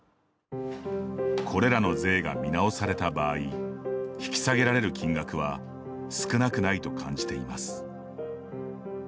これらの税が見直された場合引き下げられる金額は少なくないと感じています。